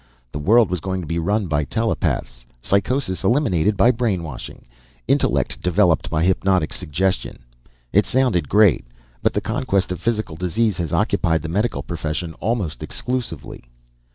The world was going to be run by telepaths, psychosis eliminated by brainwashing, intellect developed by hypnotic suggestion. It sounded great but the conquest of physical disease has occupied the medical profession almost exclusively.